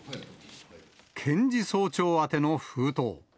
検事総長宛ての封筒。